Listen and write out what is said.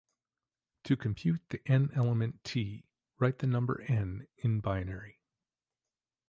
To compute the "n" element "t", write the number "n" in binary.